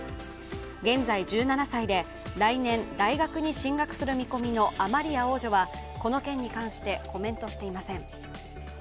現在１７歳で来年大学に進学する見込みのアマリア王女はこの件に関して、コメントしていません。